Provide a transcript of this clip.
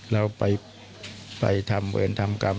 เราไปทำเวรทำกรรม